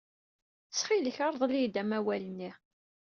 Ttxil-k, rḍel-iyi-d amawal-nni.